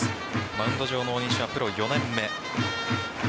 マウンド上の大西はプロ４年目。